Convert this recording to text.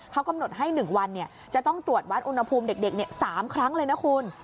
เขากำหนดให้๑วันจะต้องตรวจวัดอุณหภูมิเด็ก๓ครั้งเลยนะคุณ